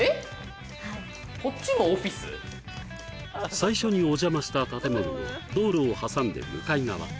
最初にお邪魔した建物の道路を挟んで向かい側